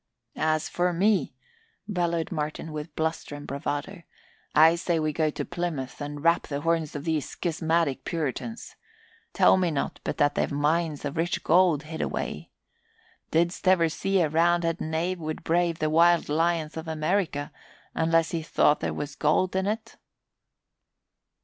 "As for me," bellowed Martin with bluster and bravado, "I say go we to Plymouth and rap the horns of these schismatic Puritans. Tell me not but that they've mines of rich gold hid away. Did'st ever see a Roundhead knave would brave the wild lions of America unless he thought there was gold in't?"